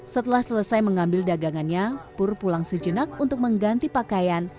setelah selesai mengambil dagangannya pur pulang sejenak untuk mengganti pakaian